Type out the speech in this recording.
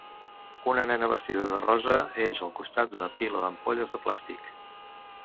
Una nena vestida de rosa és al costat d'una pila d'ampolles de plàstic.